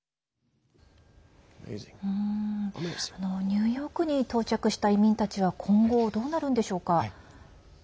ニューヨークに到着した移民たちは今後、どうなるんでしょうか。